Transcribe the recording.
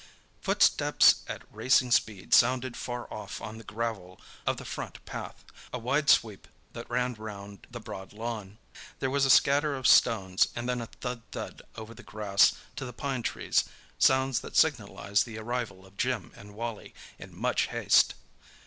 Footsteps at racing speed sounded far off on the gravel of the front path—a wide sweep that ran round the broad lawn. There was a scatter of stones, and then a thud thud over the grass to the pine trees—sounds that signalised the arrival of Jim and Wally, in much haste.